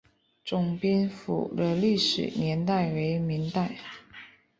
总兵府的历史年代为明代。